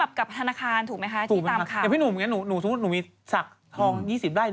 ลัทบาลอะไรอย่างงี้ได้